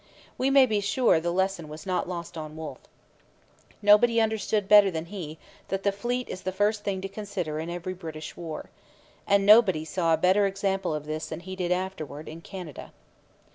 We may be sure the lesson was not lost on Wolfe. Nobody understood better than he that the fleet is the first thing to consider in every British war. And nobody saw a better example of this than he did afterwards in Canada.